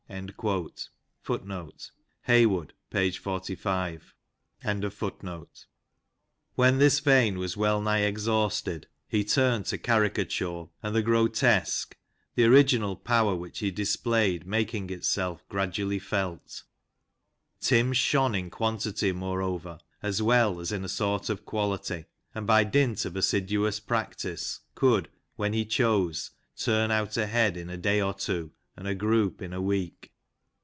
"^ When this vein was well nigh exhausted he turned to caricature and the grotesque, the original power which he displayed making itself gradually felt. Tim shone in quantity, moreover, as well as in a sort of quality, and by dint of assiduous practice could, when he chose, turn out a head in a day or two, and a group in a week.